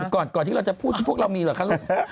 ก่อนที่เราจะพูดพวกเรามีเหรอคะลูก